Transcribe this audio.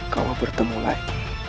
kau bertemu lagi